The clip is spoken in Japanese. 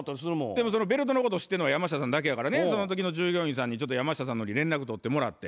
でもそのベルトのことを知ってんのは山下さんだけやからねその時の従業員さんにちょっと山下さんの方に連絡取ってもらって。